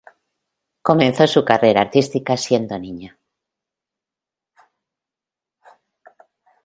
Comenzó su carrera artística siendo niña.